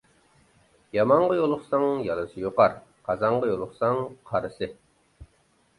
يامانغا يولۇقساڭ يالىسى يۇقار، قازانغا يولۇقساڭ قارىسى.